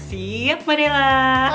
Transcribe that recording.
siap mbak della